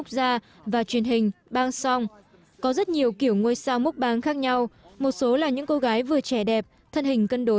đem lại thu nhập cao